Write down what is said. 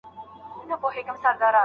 واردات به په راتلونکي کې نور هم کم شي.